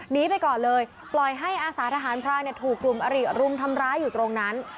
หนีไปก่อนเลยปล่อยให้อาสาทหารพรานถูกกลุ่มอริรุมทำร้ายอยู่ตรงนั้น